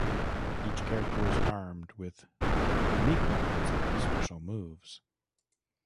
Each character is armed with unique weapons and special moves.